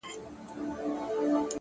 پوهه د فکر افقونه لرې وړي.!